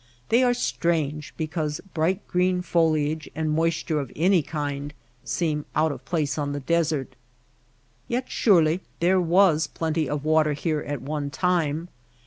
They are strange because bright green foliage and moisture of any kind seem out of place on the desert. Yet surely there was plenty of water here at one time.